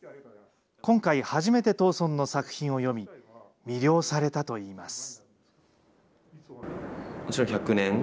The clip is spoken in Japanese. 今回初めて藤村の作品を読み、魅了されたといいます。